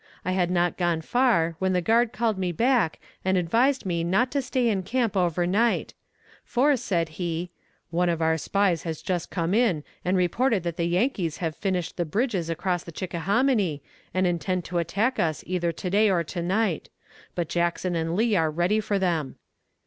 I had not gone far when the guard called me back and advised me not to stay in camp over night, for, said he, "One of our spies has just come in and reported that the Yankees have finished the bridges across the Chickahominy, and intend to attack us either to day or to night, but Jackson and Lee are ready for them."